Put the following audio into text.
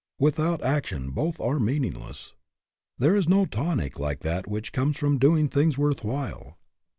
Without action both are meaningless. There is no tonic like that which comes from doing things worth while.